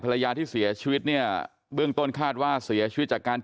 ภรรยาที่เสียชีวิตเนี่ยเบื้องต้นคาดว่าเสียชีวิตจากการ